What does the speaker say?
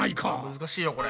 難しいよこれ。